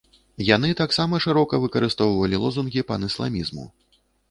Яны таксама шырока выкарыстоўвалі лозунгі панісламізму.